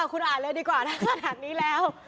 อ่าคุณอ่านเลยดีกว่าแล้วก็ถัดนี้แล้ว